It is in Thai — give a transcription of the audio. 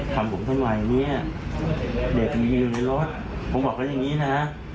เด็กภูมิเลยรถผมบอกเขายังงี้นะ